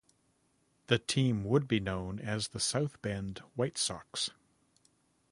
The team would be known as the South Bend White Sox.